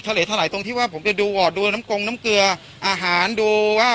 ทะเลเท่าไหร่ตรงที่ว่าผมจะดูดูน้ำกงน้ำเกลืออาหารดูว่า